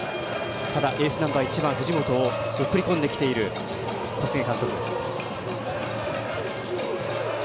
ただ、エースナンバー１番を送り込んできている小菅監督。